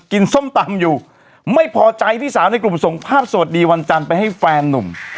ส้มตำอยู่ไม่พอใจพี่สาวในกลุ่มส่งภาพสวัสดีวันจันทร์ไปให้แฟนนุ่ม